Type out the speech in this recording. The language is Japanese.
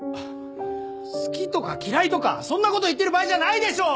好きとか嫌いとかそんな事言ってる場合じゃないでしょう！